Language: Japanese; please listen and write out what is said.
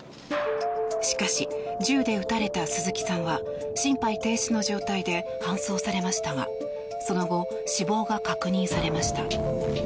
しかし銃で撃たれた鈴木さんは心肺停止の状態で搬送されましたがその後、死亡が確認されました。